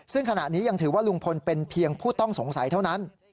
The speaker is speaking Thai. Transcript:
ซึ่งขณะนี้ยังถือว่าลุงพลเป็นเพียงผู้ต้องสงสัยเท่านั้น